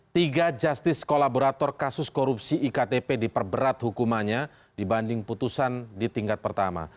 tiga justice kolaborator kasus korupsi iktp diperberat hukumannya dibanding putusan di tingkat pertama